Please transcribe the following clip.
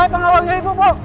saya pengawalnya ibu bu